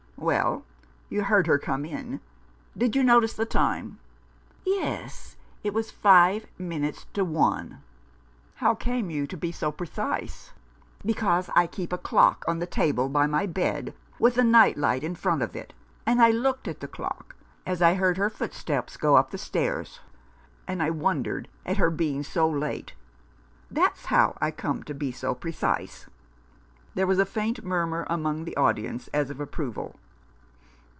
"Well, you heard her come in. Did you notice the time ?" "Yes, it was five minutes to one." " How came you to be so precise ?" "Because I keep a clock on the table by my bed, with a night light in front of it, and I looked at the clock as I heard her footsteps go up the stairs — and I wondered at her being so late. That's how I come to be so precise." There was a faint murmur among the audience, as of approval.